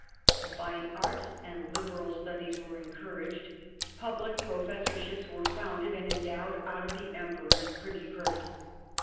The fine arts and liberal studies were encouraged ; public professorships were founded and endowed out of the Emperor^s privy purse.